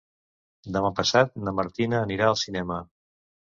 Demà passat na Martina anirà al cinema.